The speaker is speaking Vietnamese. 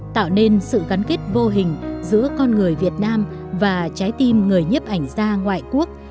tạo nên sự gắn kết vô hình giữa con người việt nam và trái tim người nhiếp ảnh gia ngoại quốc